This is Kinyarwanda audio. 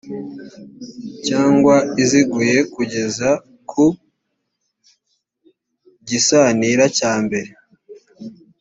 cyangwa iziguye kugeza ku gisanira cyambere